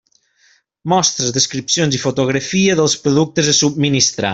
Mostres, descripcions i fotografia dels productes a subministrar.